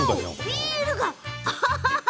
ビールが。